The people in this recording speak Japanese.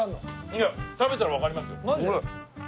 いや食べたらわかりますよ。